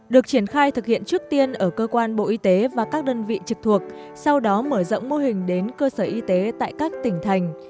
được triển khai thực hiện trước tiên ở cơ quan bộ y tế và các đơn vị trực thuộc sau đó mở rộng mô hình đến cơ sở y tế tại các tỉnh thành